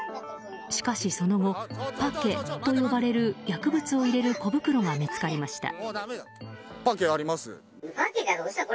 しかしその後、パケと呼ばれる薬物を入れる小袋が見つかりました。